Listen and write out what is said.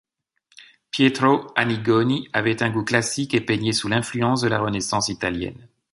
Pietro Annigoni avait un goût classique et peignait sous l'influence de la Renaissance italienne.